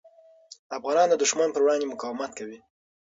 افغانان د دښمن پر وړاندې مقاومت کوي.